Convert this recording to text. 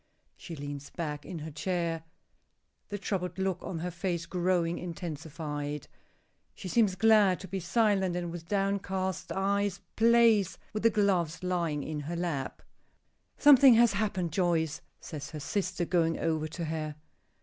She leans back in her chair, the troubled look on her face growing intensified. She seems glad to be silent, and with downcast eyes plays with the gloves lying in her lap. "Something has happened, Joyce," says her sister, going over to her.